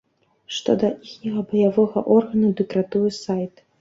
Што да іхняга баявога органу, дык ратуе сайт.